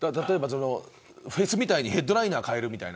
フェスみたいにヘッドライナー変えるみたいな。